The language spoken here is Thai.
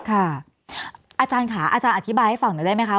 อาจารย์ค่ะอาจารย์อธิบายให้ฟังหน่อยได้ไหมคะ